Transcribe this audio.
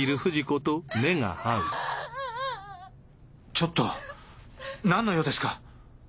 ちょっと何の用ですか？